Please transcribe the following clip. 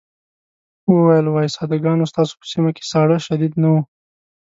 وویل وای ساده ګانو ستاسو په سيمه کې ساړه شديد نه وو.